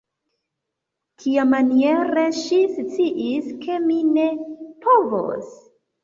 Kiamaniere ŝi sciis, ke mi ne povos?